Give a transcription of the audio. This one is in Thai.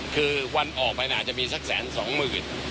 คือวันออกไปอาจจะมีสักแสนสองหมื่น